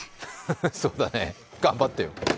そうだね、頑張ってよ。